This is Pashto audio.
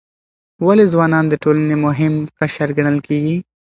ولې ځوانان د ټولنې مهم قشر ګڼل کیږي؟